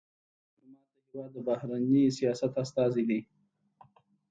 ډيپلومات د هېواد د بهرني سیاست استازی دی.